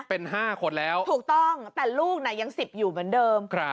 เป็น๕คนแล้วถูกต้องแต่ลูกน่ะยัง๑๐อยู่เหมือนเดิม